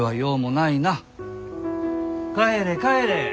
帰れ帰れ。